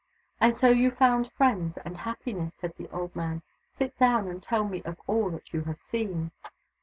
" And so you found friends and happiness," said the old man. " Sit down, and tell me of all that you have seen."